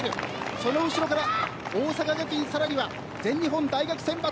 その後ろから、大阪学院さらに全日本大学選抜。